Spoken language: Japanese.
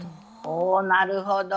おおなるほど。